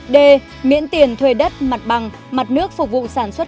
d miễn tiền thuê đất mặt bằng mặt nước phục vụ sản xuất